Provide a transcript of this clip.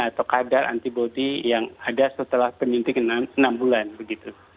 atau kadar antibody yang ada setelah penyuntikan enam bulan begitu